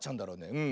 うん。